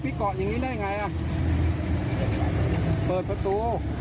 เกาะอย่างงี้ได้ไงอ่ะเปิดประตู